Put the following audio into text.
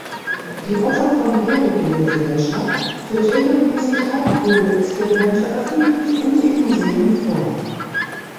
Die Otto-von-Guericke-Gesellschaft führt regelmäßig Halbkugel-Experimente öffentlich und in Museen vor.